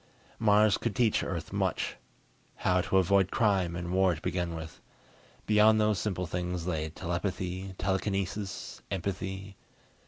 Mars could teach Earth much. How to avoid crime and war to begin with. Beyond those simple things lay telepathy, telekinesis, empathy....